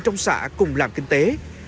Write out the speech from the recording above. trong xã cùng làm kinh tế